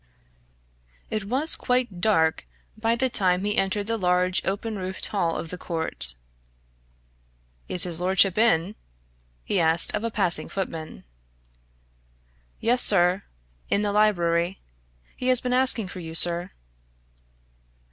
It was quite dark by the time he entered the large open roofed hall of the Court. "Is his lordship in?" he asked of a passing footman. "Yes, sir in the library. He has been asking for you, sir."